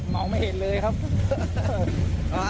ไม่เห็นเลยครับ